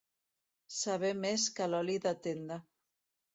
Saber més que l'oli de tenda.